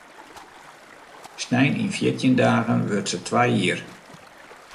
Snein yn fjirtjin dagen wurdt se twa jier.